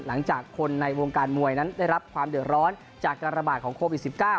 หลังจากคนในวงการมวยนั้นได้รับความเดือดร้อนจากการระบาดของโควิด๑๙